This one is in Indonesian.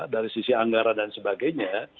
dari sisi anggaran dan sebagainya